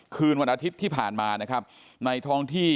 คืนวันอาทิตย์ที่ผ่านมานะครับในท้องที่